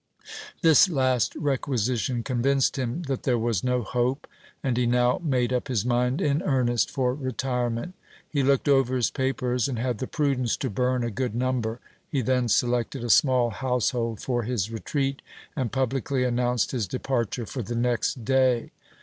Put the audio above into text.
This last requisition convinced him that there was no hope ; and he now made j up his mind in earnest for retirement. He looked over his papers, and had j the prudence to burn a good number, he then selected a small household for his retreat, and publicly announced his departure for the next day.